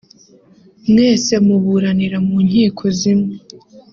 mwese muburanira mu nkiko zimwe